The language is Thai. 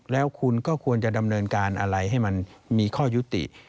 แล้วคุณก็ควรจะดำเนินการอะไรให้มันมีข้อยุติ